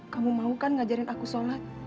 kamu mau kan ngajarin aku sholat